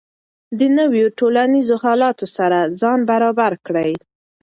د نویو ټولنیزو حالاتو سره ځان برابر کړئ.